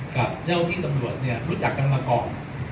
กับเจ้าที่ตำรวจเนี่ยรู้จักกันมาก่อน